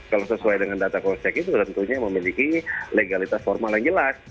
kalau sesuai dengan data cross check itu tentunya memiliki legalitas formal yang jelas